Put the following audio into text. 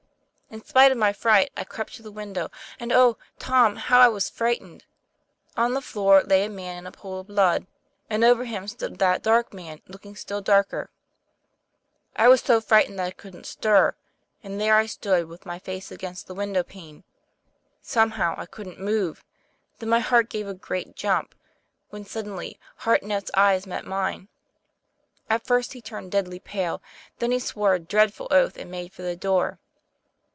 In spite of my fright, I crept up to the win dow, and, oh, Tom, how I was frightened! On the floor lay a man in a pool of blood, and over him stood that dark man, looking still darker. I was so frightened that I couldn't stir, and there I stood with my face against the window pane. Somehow, I couldn't move. Then my heart gave a great jump, when suddenly Hartnett's eyes met mine. At first he turned deadly pale, then he swore a dreadful oath and made for the door.